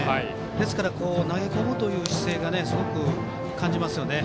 ですから、投げ込むという姿勢がすごく感じますよね。